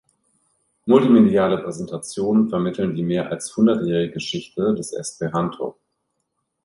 Multimediale Präsentationen vermitteln die mehr als hundertjährige Geschichte des Esperanto.